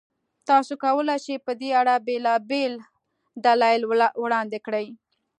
تاسو کولای شئ، په دې اړه بېلابېل دلایل وړاندې کړئ.